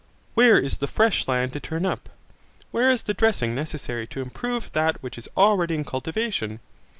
Where is the fresh land to turn up? Where is the dressing necessary to improve that which is already in cultivation?